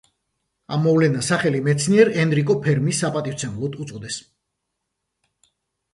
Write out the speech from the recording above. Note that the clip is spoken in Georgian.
ამ მოვლენას სახელი მეცნიერ ენრიკო ფერმის საპატივცემლოდ უწოდეს.